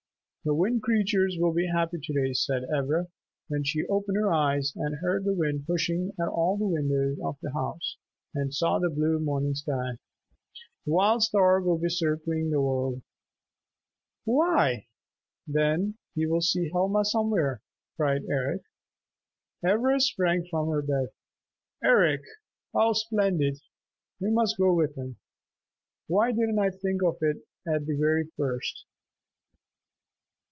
"The Wind Creatures will be happy to day," said Ivra when she opened her eyes and heard the wind pushing at all the windows of the house and saw the blue morning sky. "Wild Star will be circling the world." "Why, then he will see Helma somewhere!" cried Eric. Ivra sprang from her bed. "Eric, how splendid! We must go with him! Why didn't I think of it at the very first!"